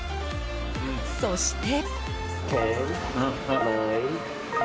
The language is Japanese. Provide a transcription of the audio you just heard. そして。